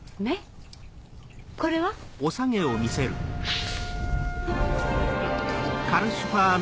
これは？あっ！